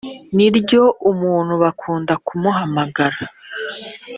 Ni ryo r umuntu bakunda kumuhamagara